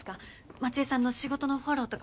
街絵さんの仕事のフォローとか。